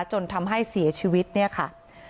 จนทำให้เสียชีวิตเนี่ยค่ะ